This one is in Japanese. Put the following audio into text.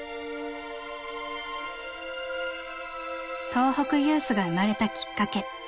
東北ユースが生まれたきっかけ。